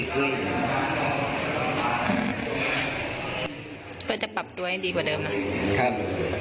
ก็จะปรับด้วยดีกว่าเดิมนั้น